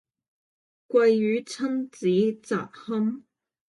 鮭魚親子雜炊